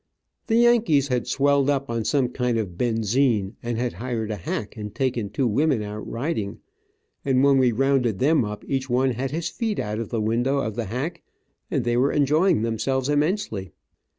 The Yankees had swelled up on some kind of benzine and had hired a hack and taken two women out riding, and when we rounded them up each one had his feet out of the window of the hack, and they were enjoying themselves immensely.